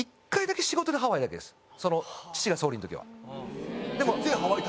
父が総理の時は。